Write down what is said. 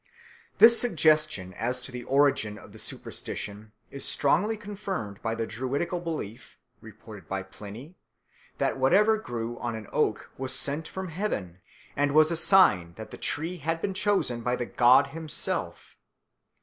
This suggestion as to the origin of the superstition is strongly confirmed by the Druidical belief, reported by Pliny, that whatever grew on an oak was sent from heaven and was a sign that the tree had been chosen by the god himself.